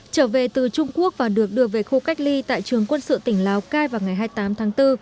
trở về từ trung quốc và được đưa về khu cách ly tại trường quân sự tỉnh lào cai vào ngày hai mươi tám tháng bốn